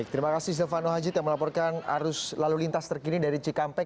terima kasih silvano hajid yang melaporkan arus lalu lintas terkini dari cikampek